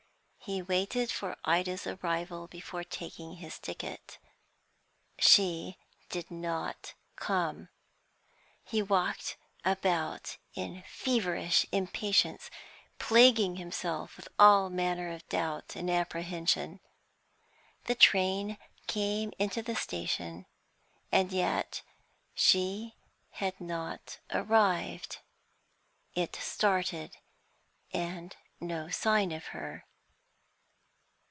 He waited for Ida's arrival before taking his ticket. She did not come. He walked about in feverish impatience, plaguing himself with all manner of doubt and apprehension. The train came into the station, and yet she had not arrived. It started, and no sign of her.